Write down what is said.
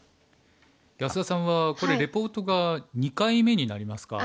安田さんはこれリポートが２回目になりますが。